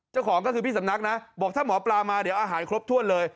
เจ้าของก็คือพี่สำนักนะบอกถ้าหมอปลามาเดี๋ยวอาหารครบถ้วนเลย